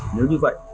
nếu như vậy